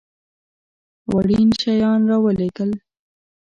وړین شیان را ولېږل.